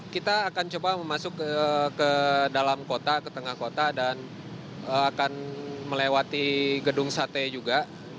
kita akan coba masuk ke dalam kota ke tengah kota dan akan melewati gedung sate juga